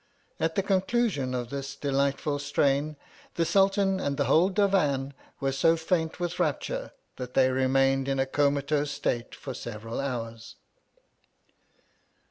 At the con elusion of this delightful strain, the Sultan and the whole divan were so faint with rap ture tfcat they remained in a comatose state for seven hours.